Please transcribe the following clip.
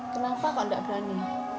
kenapa kok enggak berani